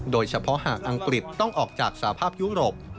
โดยเฉพาะหากอังกฤษต้องออกจากสภาพยุโรป